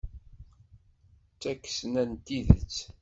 D takesna n tidet!